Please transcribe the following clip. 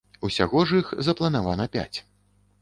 Усяго ж іх запланавана пяць.